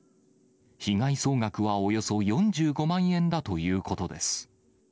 被害総額はおよそ４５万円だということです。